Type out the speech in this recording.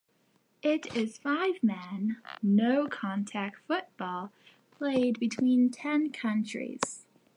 It is five man no contact football played between ten countries.